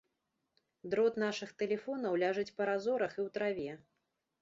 Дрот нашых тэлефонаў ляжыць па разорах і ў траве.